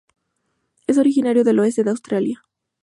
Es originario del oeste de Australia.